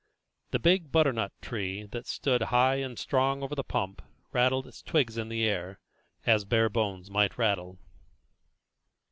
The big butter nut tree that stood up high and strong over the pump rattled its twigs in the air, as bare bones might rattle.